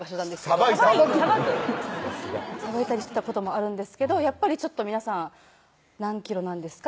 さばいたりさすがさばいたりしてたこともあるんですけどやっぱりちょっと皆さん「何キロなんですか？」